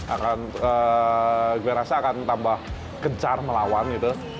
akan gue rasa akan tambah kejar melawan gitu